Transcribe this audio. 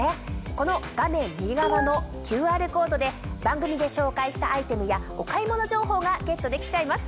この画面右側のＱＲコードで番組で紹介したアイテムやお買い物情報がゲットできちゃいます。